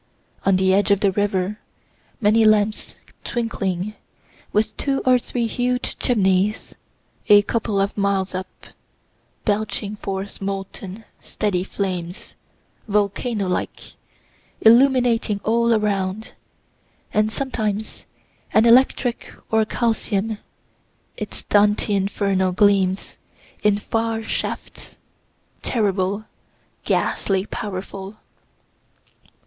On the edge of the river, many lamps twinkling with two or three huge chimneys, a couple of miles up, belching forth molten, steady flames, volcano like, illuminating all around and sometimes an electric or calcium, its Dante Inferno gleams, in far shafts, terrible, ghastly powerful.